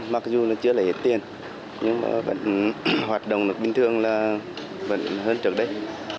mặc dù là chưa lấy hết tiền nhưng mà vẫn hoạt động được bình thường là vẫn hơn trước đây